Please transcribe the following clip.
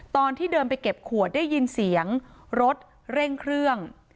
ตอนที่เดินไปเก็บขวดได้ยินเสียงรถเร่งเครื่อง